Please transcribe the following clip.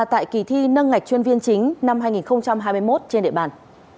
tại kỳ thi nâng ngạch chuyên viên chính năm hai nghìn hai mươi một trên địa bàn